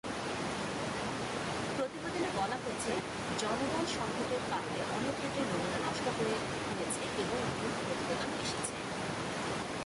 প্রতিবেদনে বলা হয়েছে, জনবল সংকটের কারণে অনেক ক্ষেত্রে নমুনা নষ্ট হয়ে হয়েছে এবং ভুল প্রতিবেদন এসেছে।